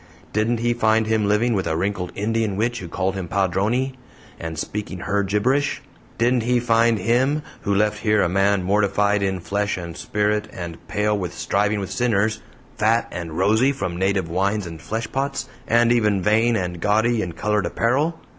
Didn't he find him living with a wrinkled Indian witch who called him 'Padrone' and speaking her gibberish? Didn't he find him, who left here a man mortified in flesh and spirit and pale with striving with sinners, fat and rosy from native wines and fleshpots, and even vain and gaudy in colored apparel?